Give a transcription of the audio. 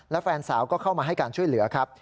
และแฟนสาวก็เข้ามาให้การช่วยเหลือครับ